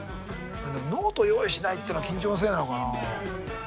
でもノート用意しないってのは緊張のせいなのかな。